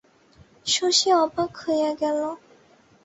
শশী অবাক হইয়া গেল।